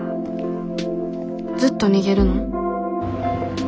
ずっと逃げるの？